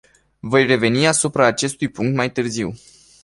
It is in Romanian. Voi reveni asupra acestui punct mai târziu.